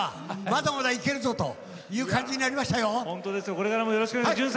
まだまだいけるぞ！という感じになりましたよ。